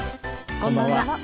こんばんは。